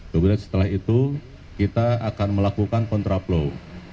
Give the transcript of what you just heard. kemudian setelah itu kita akan melakukan kontraplow